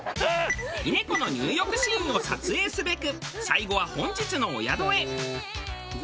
峰子の入浴シーンを撮影すべく最後は本日のお宿へ。